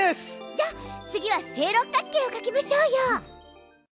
じゃあ次は正六角形を描きましょうよ！